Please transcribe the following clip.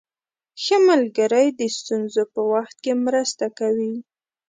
ښه ملګری د ستونزو په وخت کې مرسته کوي.